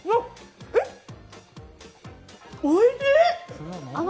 おいしい！